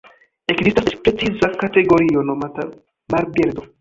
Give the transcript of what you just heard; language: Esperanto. Ekzistas eĉ preciza kategorio nomata Marbirdo.